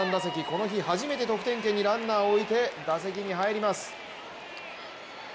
この日、初めて得点圏にランナーを置いて打席に入ります